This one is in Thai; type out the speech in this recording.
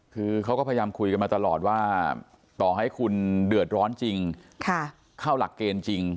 คือเขาก็พยายามคุยกันมาตลอดว่าต่อให้คุณเดือดร้อนจริงเข้าหลักเกณฑ์จริง